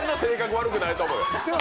悪くないと思うよ！